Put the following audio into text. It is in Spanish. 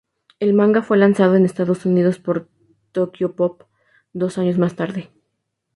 El manga fue lanzado en Estados Unidos por Tokyopop dos años más tarde.